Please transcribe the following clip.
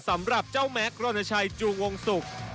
สำหรับเจ้าแม็กซรณชัยจูงวงศุกร์